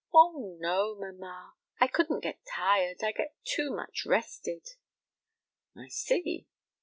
"Oh, no, mamma; I couldn't get tired; I get too much rested." "I see.